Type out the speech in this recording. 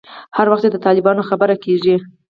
هر وخت چې د طالبانو خبره کېږي.